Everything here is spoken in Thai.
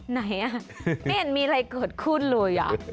ไหนอ่ะไม่เห็นมีอะไรเกิดขึ้นเลย